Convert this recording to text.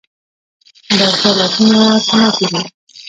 د بزګر لاسونه تڼاکې دي؟